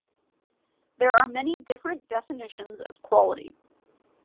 There are many different definitions of quality.